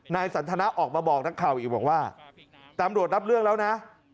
สันทนาออกมาบอกนักข่าวอีกบอกว่าตำรวจรับเรื่องแล้วนะ